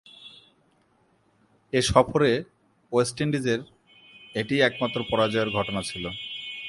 এ সফরে ওয়েস্ট ইন্ডিজের এটিই একমাত্র পরাজয়ের ঘটনা ছিল।